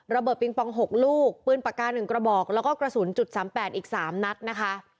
เบิงปอง๖ลูกปืนปากกา๑กระบอกแล้วก็กระสุนจุด๓๘อีก๓นัดนะคะ